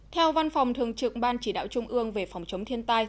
theo văn phòng thường trực ban chỉ đạo trung ương về phòng chống thiên tai